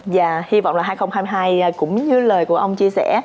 dạ hi vọng là hai nghìn hai mươi hai cũng như lời của ông chia sẻ